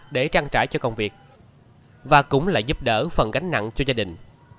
để trang trải cho công việc và cũng là giúp đỡ phần gánh nặng cho gia đình